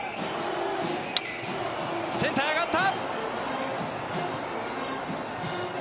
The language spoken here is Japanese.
センターへ上がった。